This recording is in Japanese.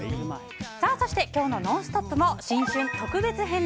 そして今日の「ノンストップ！」も新春特別編。